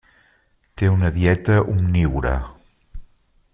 Té una dieta omnívora.